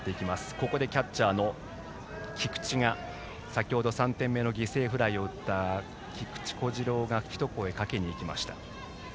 ここでキャッチャーの菊池が先程３点目の犠牲フライを打った菊池虎志朗が一声かけました。